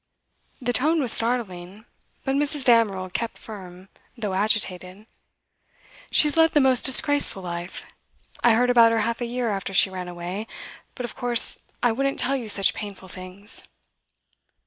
The tone was startling, but Mrs. Damerel kept firm, though agitated. 'She has led the most disgraceful life. I heard about her half a year after she ran away, but of course I wouldn't tell you such painful things.